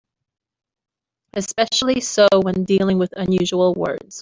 Especially so when dealing with unusual words.